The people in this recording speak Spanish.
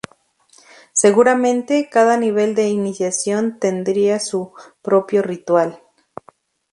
Seguramente, cada nivel de iniciación tendría su propio ritual.